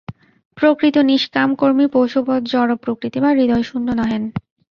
প্রকৃত নিষ্কাম কর্মী পশুবৎ জড়প্রকৃতি বা হৃদয়শূন্য নহেন।